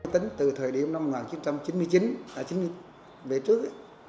tính từ thời điểm năm một nghìn chín trăm chín mươi chín đã về trước